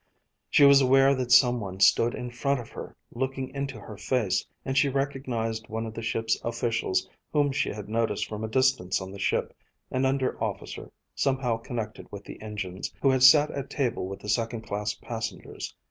She was aware that some one stood in front of her, looking into her face, and she recognized one of the ship's officials whom she had noticed from a distance on the ship, an under officer, somehow connected with the engines, who had sat at table with the second class passengers.